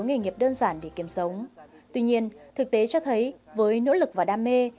nghề nghiệp đơn giản để kiếm sống tuy nhiên thực tế cho thấy với nỗ lực và đam mê